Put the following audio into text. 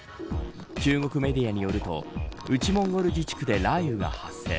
中国メディアによると内モンゴル自治区で雷雨が発生。